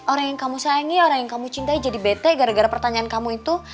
orang yang kamu sayangi orang yang kamu cintai jadi bete gara gara pertanyaan kamu itu